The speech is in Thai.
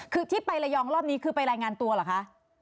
คือที่ไประยองรอบนี้คือไปรายงานตัวเหรอคะ